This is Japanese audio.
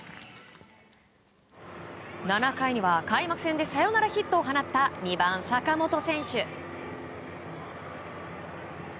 ７回には開幕戦でサヨナラヒットを放った２番、坂本選手。